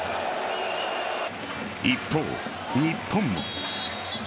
一方、日本も。